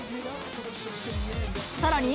さらに。